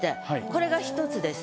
これが１つです。